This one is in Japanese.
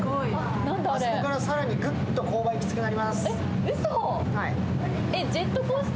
あそこから更にグッと勾配きつくなります。